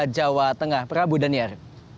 jawa tengah prabu daniar